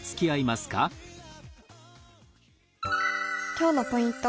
今日のポイント。